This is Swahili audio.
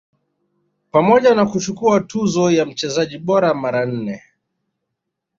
pamoja na kuchukua tuzo ya mchezaji bora mara nne